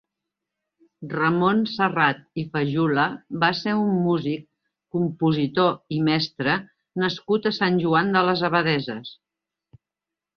Ramon Serrat i Fajula va ser un músic, compositor i mestre nascut a Sant Joan de les Abadesses.